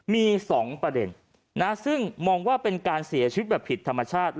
มี๒ประเด็นซึ่งมองว่าเป็นการเสียชีวิตแบบผิดธรรมชาติ